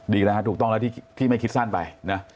ดีแล้วฮะถูกต้องแล้วที่ไม่คิดสั้นไปนะ